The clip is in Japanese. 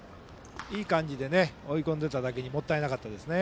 いい感じで追い込んでいただけにもったいなかったですね。